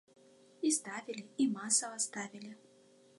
І ставілі, і масава ставілі.